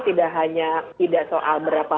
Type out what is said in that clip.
tidak hanya tidak soal berapa